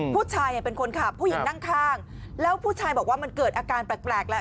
ผู้ชายเนี่ยเป็นคนขับผู้หญิงนั่งข้างแล้วผู้ชายบอกว่ามันเกิดอาการแปลกแหละ